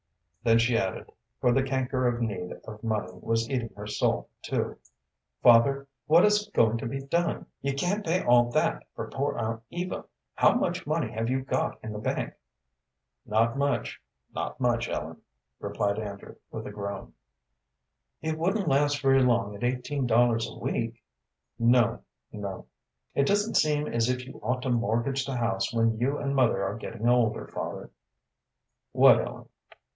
Then she added for the canker of need of money was eating her soul, too "Father, what is going to be done? You can't pay all that for poor Aunt Eva. How much money have you got in the bank?" "Not much, not much, Ellen," replied Andrew, with a groan. "It wouldn't last very long at eighteen dollars a week?" "No, no." "It doesn't seem as if you ought to mortgage the house when you and mother are getting older. Father " "What, Ellen?"